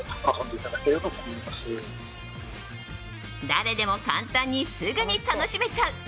誰でも簡単にすぐに楽しめちゃう。